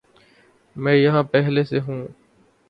میں یہاں پہلے سے ہوں